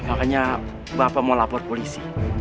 makanya bapak mau lapor polisi